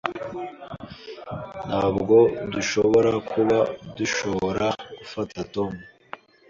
Ntabwo dushobora kuba dushobora gufata Tom.